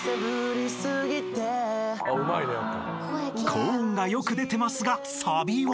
［高音がよく出てますがサビは？］